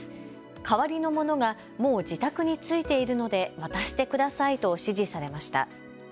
代わりの者がもう自宅に着いているので渡してくださいと指示されました。